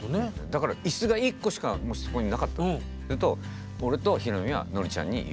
だから椅子が１個しかもしそこになかったりすると俺とヒロミはノリちゃんに譲ります。